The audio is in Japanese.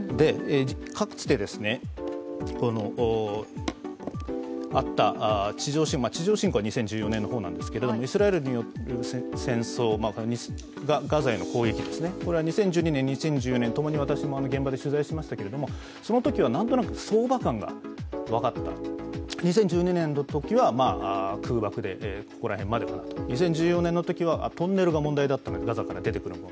各地であった、地上侵攻は２０１４年の方なんですけどイスラエルによる戦争ガザへの攻撃ですね、これは２０１２年、２０１４年、ともに私も現場で取材しましたけど、そのときはなんとなく相場観が分かった、２０１２年のときは空爆で、この辺までかなと２０１４年のときはトンネルが問題だったのでガザから出てくる。